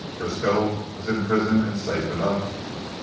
Frisco was in prison and safe enough.